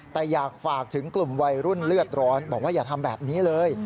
แต่อยากฝากถึงกลุ่มวัยรุ่นเลือดร้อนบอกว่าอย่าทำแบบนี้เลย